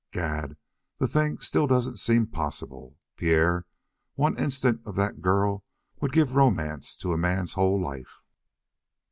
Gad, the thing still doesn't seem possible! Pierre, one instant of that girl would give romance to a man's whole life."